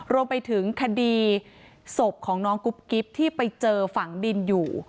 รวมไปถึงคดีศพของน้องกุ๊บกิ๊บที่ไปเจอฝังดินอยู่